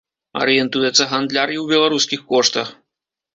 Арыентуецца гандляр і ў беларускіх коштах.